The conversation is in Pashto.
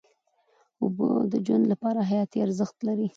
اوبه د ژوند لپاره حیاتي ارزښت لري.